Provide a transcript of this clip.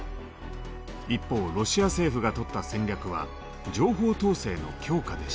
一方ロシア政府がとった戦略は情報統制の強化でした。